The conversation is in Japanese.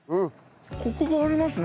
コクがありますね。